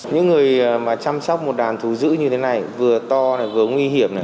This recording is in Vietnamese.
những người mà chăm sác một đàn thú giữ như thế này vừa to vừa nguy hiểm